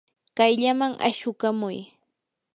kayllaman ashukamuy.